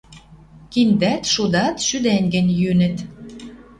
Киндӓт, шудат шӱдӓнгӹнь йӱнӹт